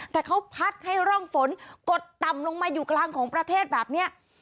แต่เขาพัดให้ร่องฝนกดต่ำลงมาอยู่กลางของประเทศแบบนี้